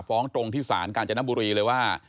ฟ้องตรงที่ศาลกาญจนบุรีเลยว่า